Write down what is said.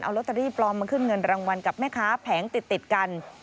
ลอตเตอรี่ปลอมมาขึ้นเงินรางวัลกับแม่ค้าแผงติดกัน